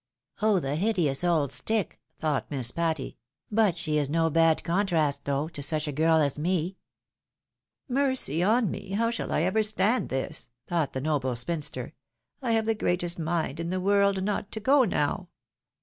" Oh ! the hideous old stick !" thought Miss Patty ;" but she is no bad contrast, though, to such a girl as me." " Mercy on me ! how shall I ever stand this !" thought the noble spinster. " I have the greatest mind in the world not to go now."